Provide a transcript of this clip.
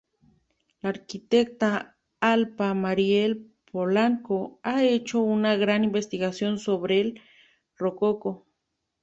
La arquitecta Alpha Mariel Polanco ha hecho una gran investigación sobre el Rococó.